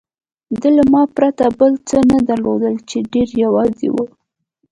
ده له ما پرته بل څه نه درلودل، چې ډېر یوازې و.